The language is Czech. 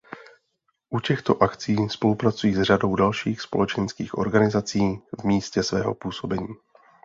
U těchto akcí spolupracují s řadou dalších společenských organizací v místě svého působení.